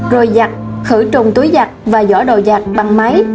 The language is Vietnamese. rồi giặt khử trùng túi giặt và giỏ đồ giạc bằng máy